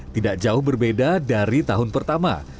tidak jauh berbeda dari tahun pertama